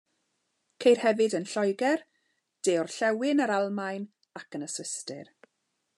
Ceir hefyd yn Lloegr, de-orllewin yr Almaen ac yn y Swistir.